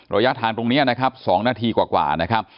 ระยะทางตรงเนี้ยนะครับสองนาทีกว่ากว่านะครับ